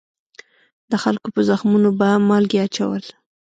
د خلکو په زخمونو به مالګې اچول.